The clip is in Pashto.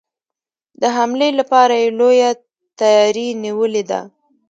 د حملې لپاره یې لويه تیاري نیولې ده.